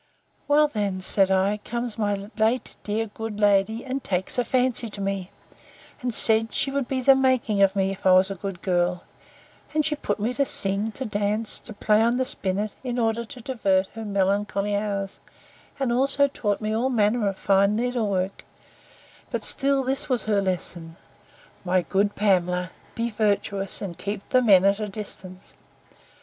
Well then, said I, comes my late dear good lady, and takes a fancy to me, and said, she would be the making of me, if I was a good girl; and she put me to sing, to dance, to play on the spinnet, in order to divert her melancholy hours; and also taught me all manner of fine needle work; but still this was her lesson, My good Pamela, be virtuous, and keep the men at a distance.